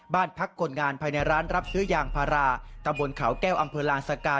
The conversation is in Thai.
บ้านพักคนงานภายในร้านรับซื้อยางพาราตะบนเขาแก้วอำเภอลานสกา